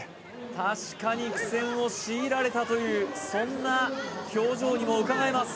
確かに苦戦を強いられたというそんな表情にもうかがえます